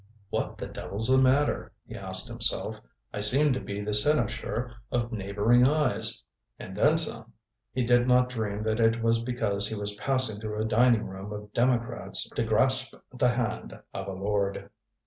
"What the devil's the matter?" he asked himself. "I seem to be the cynosure of neighboring eyes, and then some." He did not dream that it was because he was passing through a dining room of democrats to grasp the hand of a lord.